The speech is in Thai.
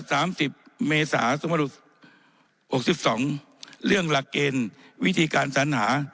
สามสิบเมษาสองพันหุกสิบสองเรื่องหลักเกณฑ์วิธีการสัญหา